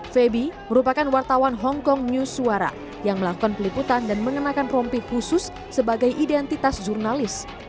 febi merupakan wartawan hongkong news suara yang melakukan peliputan dan mengenakan rompi khusus sebagai identitas jurnalis